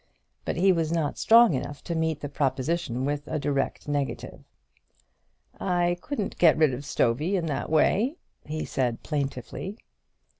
But he was not strong enough to meet the proposition with a direct negative. "I couldn't get rid of Stovey in that way," he said, plaintively.